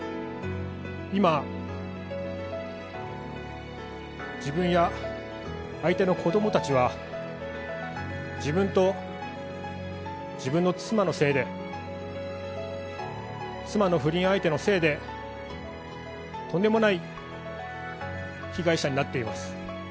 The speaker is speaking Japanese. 今、自分や相手の子どもたちは、自分と自分の妻のせいで、妻の不倫相手のせいで、とんでもない被害者になっています。